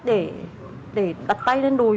để đặt tay lên đùi